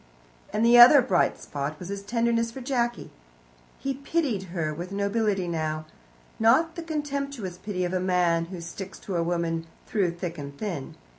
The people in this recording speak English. And the other bright spot was his tenderness for Jacky. He pitied her with nobility now not the contemptuous pity of a man who sticks to a woman through thick and thin.